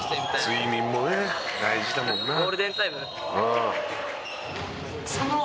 「睡眠もね大事だもんな」